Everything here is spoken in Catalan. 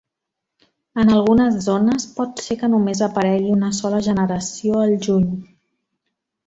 En algunes zones pot ser que només aparegui una sola generació al juny.